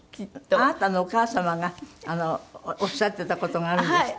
あなたのお母様がおっしゃってた事があるんですって？